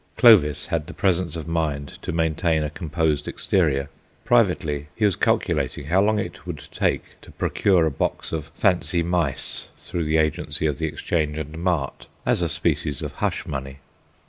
Clovis had the presence of mind to maintain a composed exterior; privately he was calculating how long it would take to procure a box of fancy mice through the agency of the EXCHANGE AND MART as a species of hush money.